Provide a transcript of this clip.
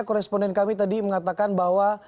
koresponden kami tadi mengatakan bahwa